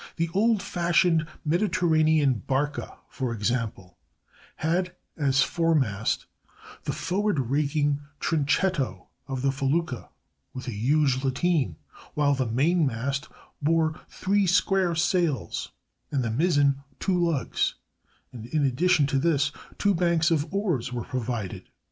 The old fashioned Mediterranean barca, for example, had as foremast the forward raking "trinchetto" of the felucca, with a huge lateen, while the mainmast bore three square sails and the mizzen two lugs; and in addition to this two banks of oars were provided!